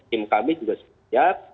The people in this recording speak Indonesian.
tim kami juga siap